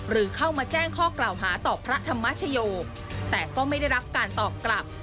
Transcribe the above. หรือเข้ามาแจ้งข้อกล่าวหาต่อพระธรรมชโยคแต่ก็ไม่ได้รับการตอบกลับ